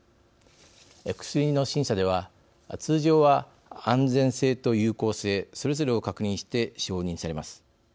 薬の審査では通常は安全性と有効性それぞれを確認して承認されます。